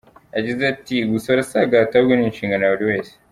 Yagize ati “Gusora si agahato, ahubwo ni inshingano ya buri wese.